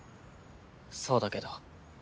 そうだけど。